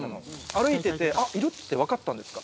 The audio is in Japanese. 歩いてて「あっいる」って分かったんですか？